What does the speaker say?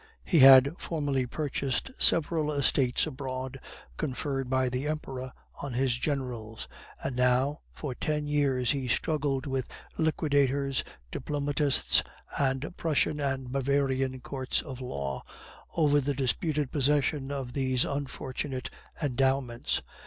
He had formerly purchased several estates abroad, conferred by the Emperor on his generals; and now for ten years he struggled with liquidators, diplomatists, and Prussian and Bavarian courts of law, over the disputed possession of these unfortunate endowments.